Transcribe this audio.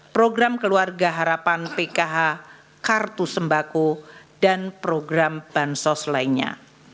program keluarga harapan pkh kartu sembako dan program bansos lainnya